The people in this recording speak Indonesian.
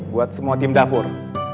buat semua tim dapur